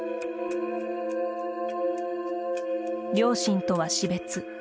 両親とは死別。